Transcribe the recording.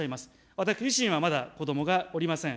私自身はまだ子どもがおりません。